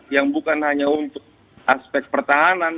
yang bukan hanya untuk aspek pertahanan